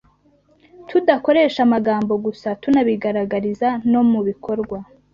tudakoresha amagambo gusa, tunabibagaragariza no mu bikorwa.